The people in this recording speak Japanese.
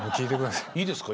まずいいですか？